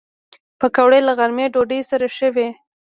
پکورې له غرمې ډوډۍ سره ښه وي